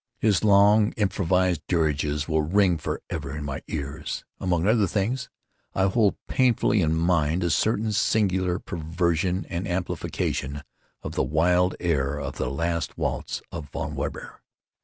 His long improvised dirges will ring forever in my ears. Among other things, I hold painfully in mind a certain singular perversion and amplification of the wild air of the last waltz of Von Weber.